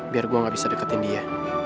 biar gua ga bisa deketin dia